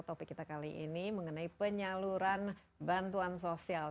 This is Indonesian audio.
topik kita kali ini mengenai penyaluran bantuan sosial